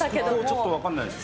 ちょっと分かんないです。